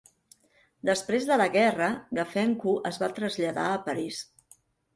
Després de la guerra, Gafencu es va traslladar a París.